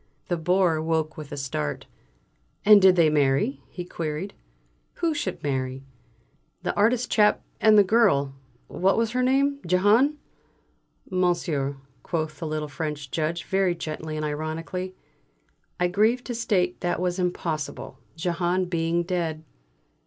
The Bore woke with a start. "And did they marry?" he queried. "Who should marry?" "That artist chap and the girl what was her name? Jehane." "Monsieur," quoth the little French Judge very gently and ironically, "I grieve to state that was impossible, Jehane being dead."